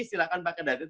silahkan pakai data itu